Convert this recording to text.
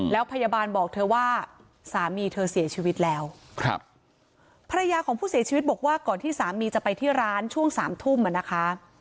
แล้วพยาบาลบอกเธอว่าสามีเธอเสียชีวิตแล้วครับภรรยาของผู้เสียชีวิตบอกว่าก่อนที่สามีจะไปที่ร้านช่วงสามทุ่มอ่ะนะคะ